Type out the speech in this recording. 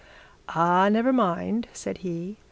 'Ah, never mind,' said he.